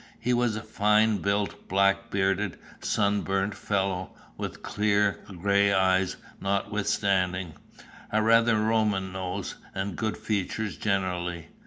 He was a fine built, black bearded, sunburnt fellow, with clear gray eyes notwithstanding, a rather Roman nose, and good features generally.